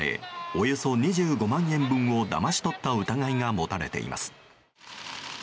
およそ２５万円分をだまし取った疑いが持たれています。